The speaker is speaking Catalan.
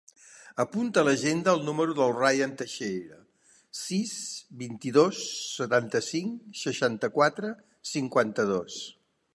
Apunta a l'agenda el número del Rayan Teixeira: sis, vint-i-dos, setanta-cinc, seixanta-quatre, cinquanta-dos.